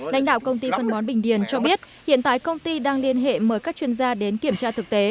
lãnh đạo công ty phân bón bình điền cho biết hiện tại công ty đang liên hệ mời các chuyên gia đến kiểm tra thực tế